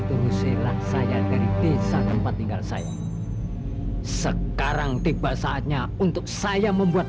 tusilah saya dari desa tempat tinggal saya sekarang tiba saatnya untuk saya membuat